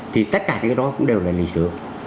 thì tất cả cái đó cũng đều là lịch sử